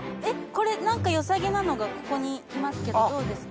これ何か良さげなのがここにいますけどどうですか？